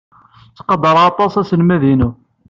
Ttqadareɣ aṭas aselmad-inu.